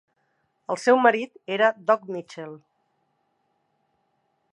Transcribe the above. El seu marit era Doc Mitchell.